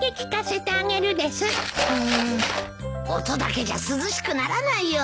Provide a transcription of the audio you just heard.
音だけじゃ涼しくならないよ。